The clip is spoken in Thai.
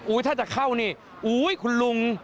ถ้าจะเข้านี่อุ๊ยคุณลุง